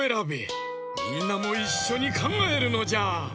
みんなもいっしょにかんがえるのじゃ！